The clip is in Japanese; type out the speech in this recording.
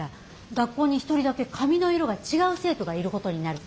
学校に一人だけ髪の色が違う生徒がいる事になる。